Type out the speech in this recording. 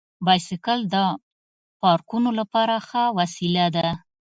بایسکل د پارکونو لپاره ښه وسیله ده.